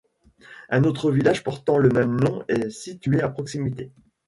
Un autre village portant le même nom est situé à proximité.